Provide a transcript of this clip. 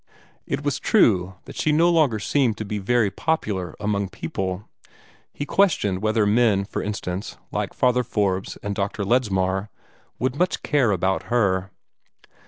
It was true that she no longer seemed to be very popular among people. He questioned whether men, for instance, like Father Forbes and Dr. Ledsmar would care much about her.